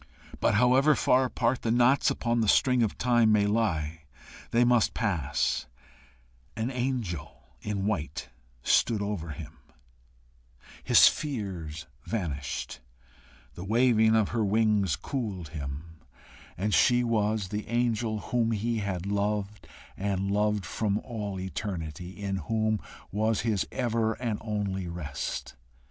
But however far apart the knots upon the string of time may lie, they must pass: an angel in white stood over him, his fears vanished, the waving of her wings cooled him, and she was the angel whom he had loved and loved from all eternity, in whom was his ever and only rest.